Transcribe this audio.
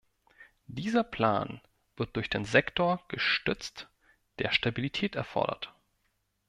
Dieser Plan wird durch den Sektor gestützt, der Stabilität erfordert.